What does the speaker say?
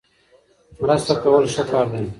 مرسته کول ښه کار دی.